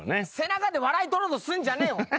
背中で笑い取ろうとすんじゃねえよ。